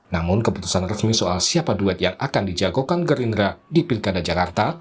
namun keputusan resmi soal siapa duet yang akan dijagokan gerindra di pilkada jakarta